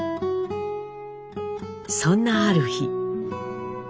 そんなある日。